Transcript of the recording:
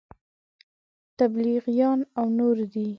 تبلیغیان او نور دي.